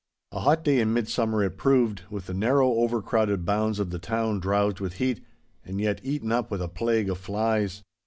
A hot day in mid summer it proved, with the narrow, overcrowded bounds of the town drowsed with heat, and yet eaten up with a plague of flies.